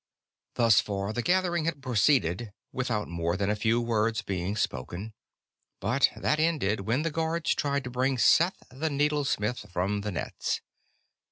Thus far, the gathering had proceeded without more than a few words being spoken, but that ended when the guards tried to bring Seth the Needlesmith from the nets.